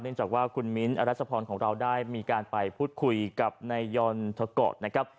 เนื่องจากว่าคุณมิ้นท์อรัชพรของเราได้มีการไปพูดคุยกับไนยอนทะกดนะครับ